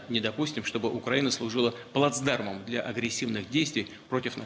menunjukkan keberadaan dengan keberadaan yang disebut aktif pertama